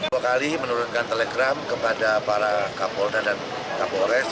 polri menurunkan telegram kepada para kapolna dan kapolres